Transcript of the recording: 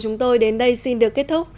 chúng tôi đến đây xin được kết thúc